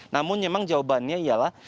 namun memang jawabannya ialah